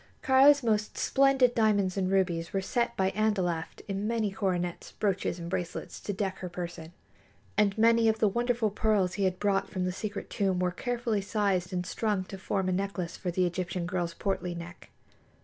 Kāra's most splendid diamonds and rubies were set by Andalaft in many coronets, brooches and bracelets to deck her person, and many of the wonderful pearls he had brought from the secret tomb were carefully sized and strung to form a necklace for the Egyptian girl's portly neck.